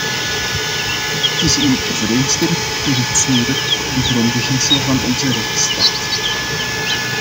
Dit is in overeenstemming met de richtsnoeren en grondbeginselen van onze rechtsstaat.